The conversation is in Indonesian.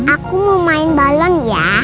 aku mau main balen ya